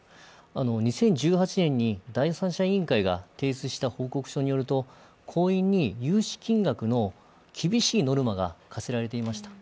２０１８年に第三者委員会が提出した報告書によると、行員に融資金額の厳しいノルマが課せられていました。